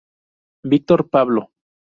Victor Pablo.